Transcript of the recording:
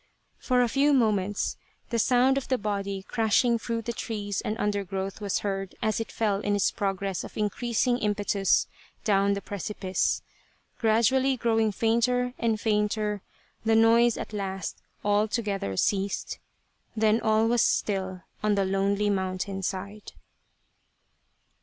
For a few moments the sound of the body crashing through the trees and undergrowth was heard as it fell in its progress of increasing impetus down the precipice : gradually growing fainter and fainter, the noise at last altogether ceased ; then all was still on the lonely mountain side.